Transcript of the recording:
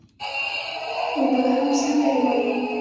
اوبه هم سندري وايي.